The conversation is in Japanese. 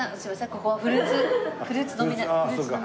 ここはフルーツフルーツのみになります。